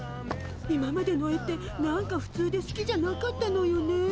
今までの絵って何かふつうですきじゃなかったのよね。